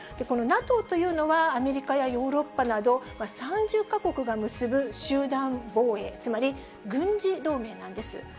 このＮＡＴＯというのは、アメリカやヨーロッパなど、３０か国が結ぶ集団防衛、つまり軍事同盟なんです。